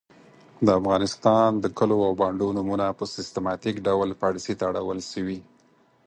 د افغانستان د کلو او بانډو نومونه په سیستماتیک ډول پاړسي ته اړول سوي .